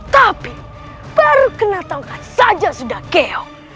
tapi baru kenal kenal saja sudah keok